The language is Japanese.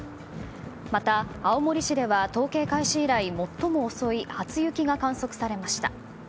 また、青森市では統計開始以来最も遅い初雪が観測されました。